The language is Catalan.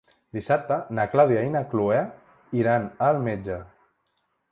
Dissabte na Clàudia i na Cloè iran al metge.